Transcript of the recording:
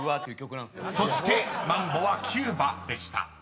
［そしてマンボは「キューバ」でした］